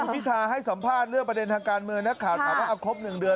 คุณพิทาให้สัมภาษณ์เรื่องประเด็นทางการเมืองนะถามว่าอาคบหนึ่งเดือน